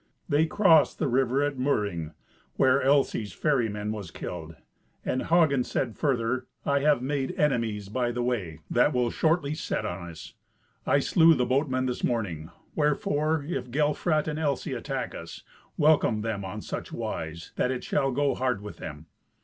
They crossed the river at Moering, where Elsy's ferryman was killed, and Hagen said further, "I have made enemies by the way, that will shortly set on us. I slew the boatman this morning; wherefore, if Gelfrat and Elsy attack us, welcome them on such wise that it shall go hard with them.